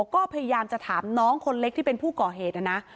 ก็พยายามจะถามน้องคนเล็กที่เป็นผู้ก่อเหตุนะนะ